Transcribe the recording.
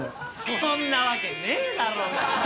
そんなわけねえだろうが。